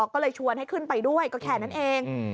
ก็เลยชวนให้ขึ้นไปด้วยก็แค่นั้นเอง